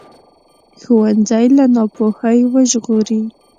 ښوونځی له ناپوهۍ وژغوري